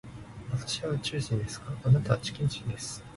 私は宇宙人ですが、あなたは地球人です。